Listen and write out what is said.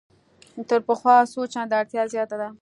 تر پخوا څو چنده اړتیا زیاته ده.